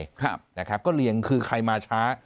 ครับนะครับก็เรียงคือใครมาช้า